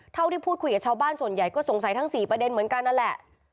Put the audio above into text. เท่าที่พูดคุยกับชาวบ้านส่วนใหญ่ก็สงสัยทั้ง๔ประเด็นเหมือนกันนั่นแหละ